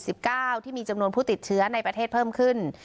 สิบเก้าที่มีจำนวนผู้ติดเชื้อในประเทศเพิ่มขึ้น